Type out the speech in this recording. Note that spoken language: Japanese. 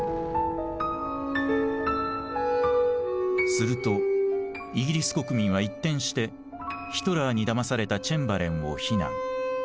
するとイギリス国民は一転してヒトラーにだまされたチェンバレンを非難。